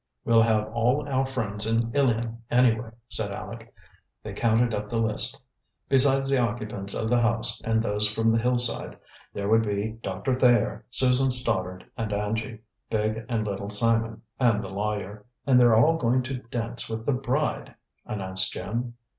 "We'll have all our friends in Ilion, anyway," said Aleck. They counted up the list. Besides the occupants of the house and those from the Hillside, there would be Doctor Thayer, Susan Stoddard and Angie, Big and Little Simon, and the lawyer. "And they're all going to dance with the bride," announced Jim.